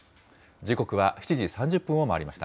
時刻は７時３０分を回りました。